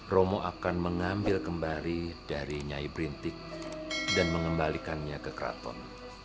romo akan mengambil kembali dari nyai printik dan mengembalikannya ke keraton